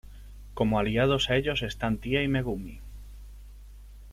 Como aliados a ellos están Tia y Megumi.